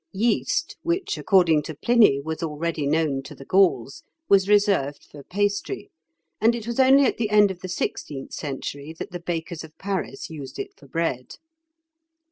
Yeast, which, according to Pliny, was already known to the Gauls, was reserved for pastry, and it was only at the end of the sixteenth century that the bakers of Paris used it for bread.